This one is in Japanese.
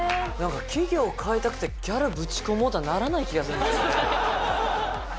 なんか企業を変えたくてギャルぶち込もうとはならない気がするんですよね。